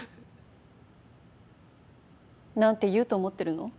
なんて言うと思ってるの？